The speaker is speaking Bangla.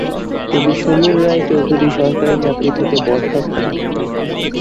কবি সমীর রায়চৌধুরী সরকারি চাকরি থেকে বরখাস্ত হন।